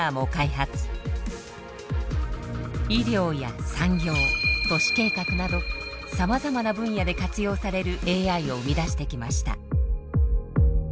医療や産業都市計画などさまざまな分野で活用されるＡＩを生み出してきました。